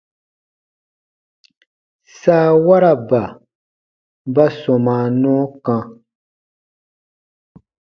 Saawaraba ba sɔmaa nɔɔ kã.